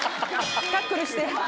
タックルして。